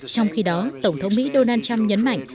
trong khi đó tổng thống mỹ donald trump nhấn mạnh